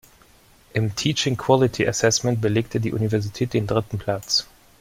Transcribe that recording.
Im Teaching Quality Assessment belegte die Universität den dritten Platz.